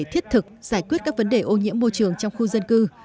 thiết thực giải quyết các vấn đề ô nhiễm môi trường trong khu dân cư